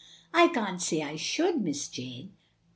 "I can't say I should. Miss Jane."